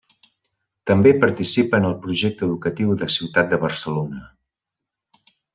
També participa en el Projecte educatiu de ciutat de Barcelona.